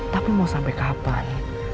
tapi mau sampai kapan